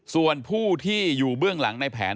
ส่วนผู้ที่อยู่เบื้องหลังในแผน